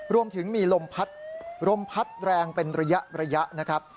รวมถึงมีลมพัดลมพัดแรงเป็นระยะนะครับ